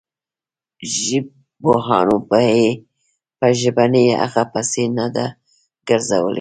ژبپوهانو یې په ژبنۍ هغې پسې نه ده ګرځولې.